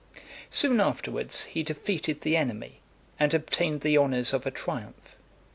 Soon afterwards he defeated the enemy, and obtained the honours of a triumph.